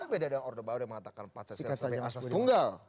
beda dengan orde baru yang mengatakan pancasila sebagai asas tunggal